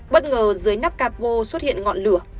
bất ngờ dưới nắp capo xuất hiện ngọn lửa